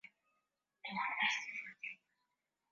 Alikuja na fimbo